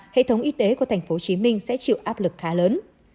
hệ thống y tế của tp hcm sẽ chịu áp lực khá lớn